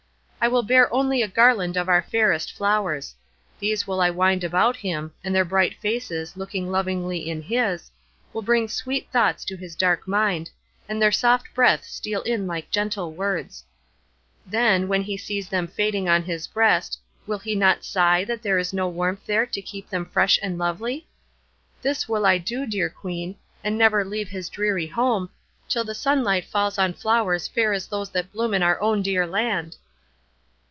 "I will bear only a garland of our fairest flowers; these will I wind about him, and their bright faces, looking lovingly in his, will bring sweet thoughts to his dark mind, and their soft breath steal in like gentle words. Then, when he sees them fading on his breast, will he not sigh that there is no warmth there to keep them fresh and lovely? This will I do, dear Queen, and never leave his dreary home, till the sunlight falls on flowers fair as those that bloom in our own dear land."